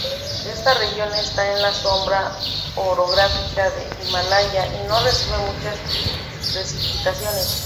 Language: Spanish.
Esta región está en la Sombra orográfica del Himalaya, y no recibe muchas precipitaciones.